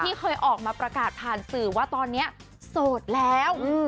เคยออกมาประกาศผ่านสื่อว่าตอนนี้โสดแล้ว